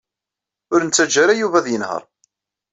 Ur nettaǧǧa ara Yuba ad yenheṛ.